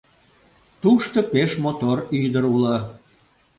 — Тушто пеш мотор ӱдыр уло.